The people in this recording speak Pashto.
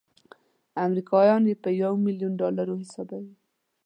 امریکایان یې په یو میلیون ډالرو حسابوي.